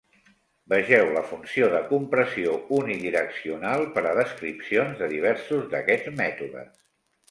Vegeu la funció de compressió unidireccional per a descripcions de diversos d'aquests mètodes.